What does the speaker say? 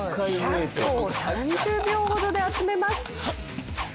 １００個を３０秒ほどで集めます。